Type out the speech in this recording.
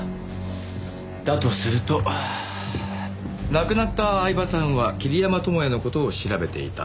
亡くなった饗庭さんは桐山友哉の事を調べていた。